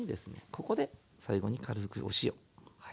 ここで最後に軽くお塩。